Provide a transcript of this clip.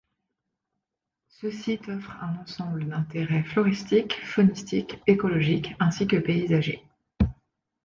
Ce site offre un ensemble d'intérêts floristique, faunistique, écologique ainsi que paysager.